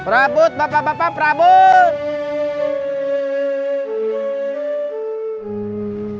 rabot bapak bapak prabowo